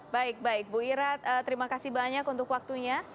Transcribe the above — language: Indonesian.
baik baik bu ira terima kasih banyak untuk waktunya